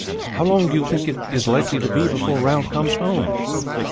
How long do you think it is likely to be before Ralph comes home?"